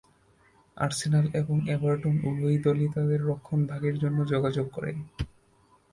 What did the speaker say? Arsenal এবং Everton উভয়ই দলই তাঁদের রক্ষণ ভাগের জন্য যোগাযোগ করে।